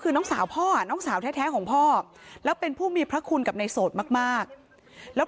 คือน้องสาวพ่อน้องสาวแท้ของพ่อแล้วเป็นผู้มีพระคุณกับในโสดมากแล้ว